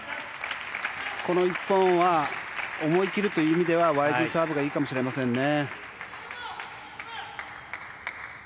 この１本は思い切るという意味ではＹＧサーブがいいかもしれませんね。